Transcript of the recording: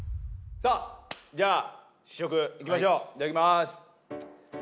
さぁじゃあ試食行きましょういただきます。